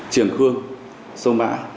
triển hương sông mã